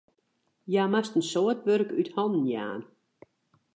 Hja moast in soad wurk út hannen jaan.